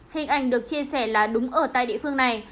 hình ảnh được chia sẻ là đúng ở tại địa phương này